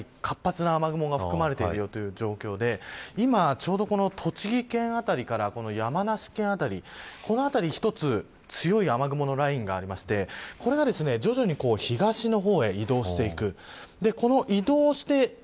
中には、やはり活発な雨雲が含まれている状況で今ちょうど栃木県辺りから山梨県辺りこのあたり一つ、強い雨雲のラインがありましてこれが徐々に東の方へ移動していく。